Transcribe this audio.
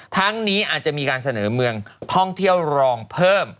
ทั้งนี้อาจจะมีการเสนอเมืองท่องเที่ยวรองเพิ่ม